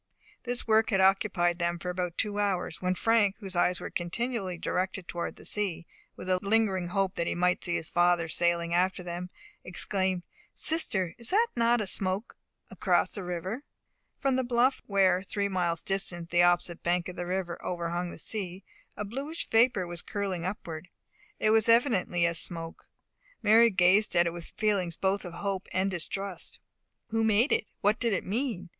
This work had occupied them about two hours, when Frank, whose eyes were continually directed towards the sea, with a lingering hope that he might see his father sailing after them, exclaimed, "Sister, is not that a smoke across the river?" From the bluff where, three miles distant, the opposite bank of the river overhung the sea, a bluish vapour was curling upward. It was evidently a smoke. Mary gazed at it with feelings both of hope and distrust. Who made it? What did it mean?